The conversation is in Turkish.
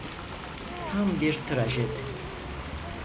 Tam bir trajedi.